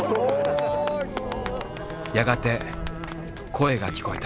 やがて声が聞こえた。